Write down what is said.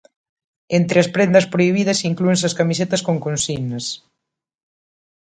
Entre as prendas prohibidas, inclúense as camisetas con consignas.